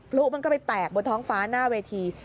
พลุมันก็ไปแตกบนท้องฟ้าหน้าเวที